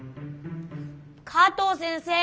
加藤先生！